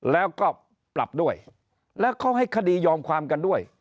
แล้วก็ปรับด้วยแล้วเขาให้คดียอมความกันด้วย